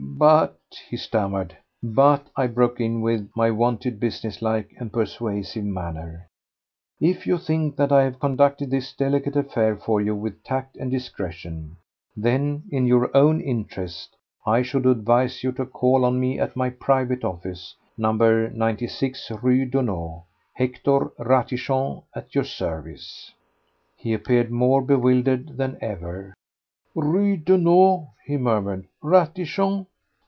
"But—" he stammered. "But," I broke in with my wonted business like and persuasive manner, "if you think that I have conducted this delicate affair for you with tact and discretion, then, in your own interest I should advise you to call on me at my private office, No. 96 Rue Daunou. Hector Ratichon, at your service." He appeared more bewildered than ever. "Rue Daunou," he murmured. "Ratichon!"